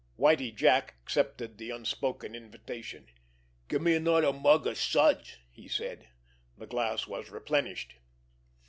Whitie Jack accepted the unspoken invitation. "Gimme another mug of suds," he said. The glass was replenished.